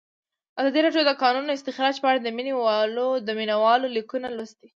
ازادي راډیو د د کانونو استخراج په اړه د مینه والو لیکونه لوستي.